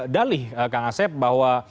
dalih kak ngasep bahwa